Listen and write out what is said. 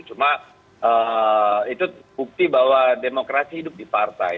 cuma itu bukti bahwa demokrasi hidup di partai